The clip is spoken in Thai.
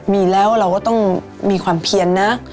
มีแล้วเราก็ต้องมีความเพียนนะ